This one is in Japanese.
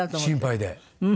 心配で。